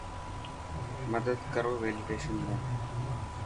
مدد ڪرو ويليڊشن ۾.